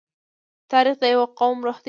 تاریخ د یوه قوم روح دی.